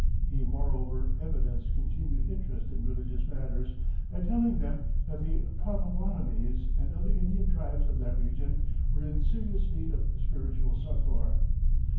He moreover evidenced continued interest in religious matters by telling them that the Pottowattamies and other Indian tribes of that region were in serious need of spiritual succor.